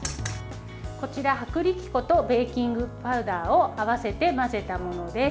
こちら、薄力粉とベーキングパウダーを合わせて混ぜたものです。